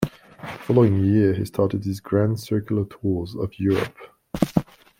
The following year he started his "grand circular tours" of Europe.